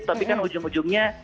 tapi kan ujung ujungnya